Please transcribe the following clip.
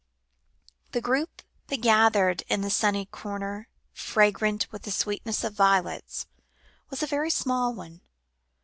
The group that gathered in that sunny corner, fragrant with the sweetness of violets, was a very small one.